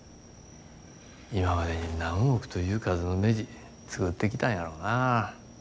今までに何億という数のねじ作ってきたんやろなぁ。